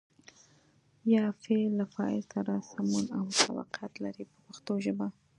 یا فعل له فاعل سره سمون او مطابقت لري په پښتو ژبه.